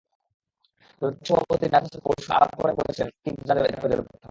তবে বোর্ড সভাপতি নাজমুল হাসান পরশু আলাদা করে বলেছিলেন আকিব জাভেদের কথা।